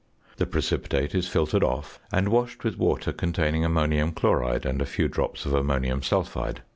The precipitate is filtered off and washed with water containing ammonium chloride and a few drops of ammonium sulphide.